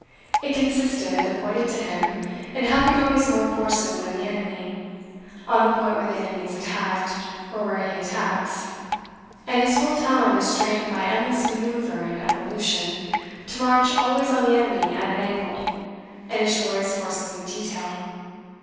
It consisted, according to him, in having always more forces than the enemy, on the point where the enemy is attacked, or where he attacks: and his whole talent is strained by endless manoeuvre and evolution, to march always on the enemy at an angle, and destroy his forces in detail.